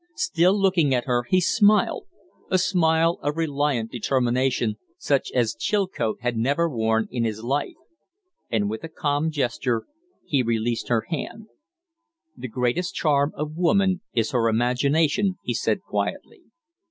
Still looking at her, he smiled a smile of reliant determination, such as Chilcote had never worn in his life. And with a calm gesture he released his hand. "The greatest charm of woman is her imagination," he said, quietly.